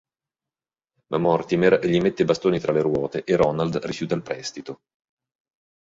Ma Mortimer gli mette i bastoni tra le ruote e Ronald rifiuta il prestito.